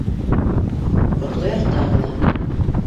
Ҡотлояр тағы ла: